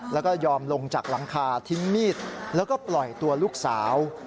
แล้วก็ยอมลงจากหลังคาทิ้งมีดแล้วก็ปล่อยตัวลูกสาว